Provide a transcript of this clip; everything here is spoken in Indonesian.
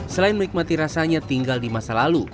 selain menikmati rasanya tinggal di masa lalu